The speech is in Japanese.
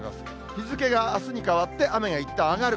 日付があすに変わって、雨がいったん上がる。